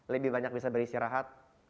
lebih banyak bisa beristirahat